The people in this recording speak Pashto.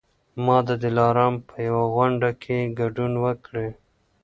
ما د دلارام په یوه غونډه کي ګډون وکړی